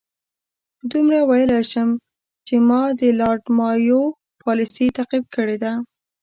دومره ویلای شم چې ما د لارډ مایو پالیسي تعقیب کړې ده.